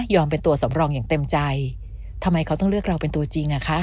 เป็นตัวสำรองอย่างเต็มใจทำไมเขาต้องเลือกเราเป็นตัวจริงอ่ะคะ